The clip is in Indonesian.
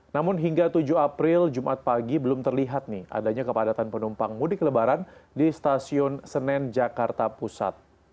namun hingga tujuh april jumat pagi belum terlihat nih adanya kepadatan penumpang mudik lebaran di stasiun senen jakarta pusat